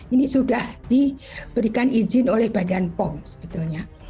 ini sudah diberikan izin oleh badan pom sebetulnya